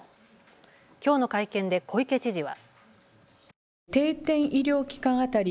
きょうの会見で小池知事は。